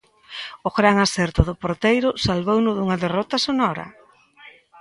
O gran acerto do porteiro salvouno dunha derrota sonora.